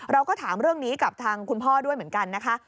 เราก็ถามเรื่องนี้กับทางคุณพ่อด้วยเหมือนกันนะคะ